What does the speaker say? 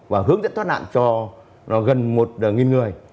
và hướng dẫn thoát nạn cho gần một người